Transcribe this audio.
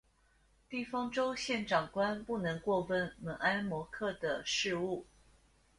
地方州县长官不能过问猛安谋克的事务。